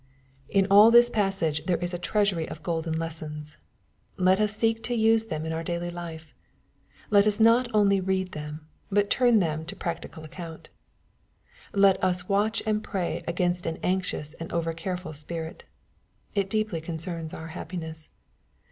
In all this passage there is a treasury of golden lessons. Let us seek to use them in our daily life. Let us not only read them, but turn them to practical account. Let us watch and pray against an anxious and over careful spirit. It deeply concerns our happiness.